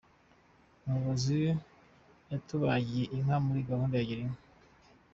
umuyobozi yatugabiye inka muri gahunda ya girinka.